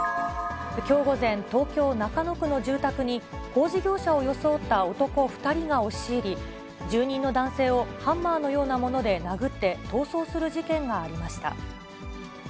きょう午前、東京・中野区の住宅に、工事業者を装った男２人が押し入り、住人の男性をハンマーのようなもので殴って逃走する事件がありました。